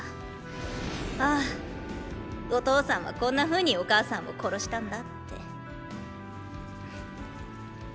ああお父さんはこんなふうにお母さんを殺したんだって。